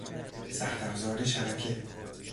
سخت افزار شبکه